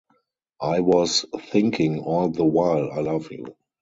I was thinking, all the while, I love you.